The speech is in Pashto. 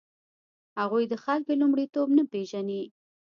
هغوی د خلکو لومړیتوب نه پېژني.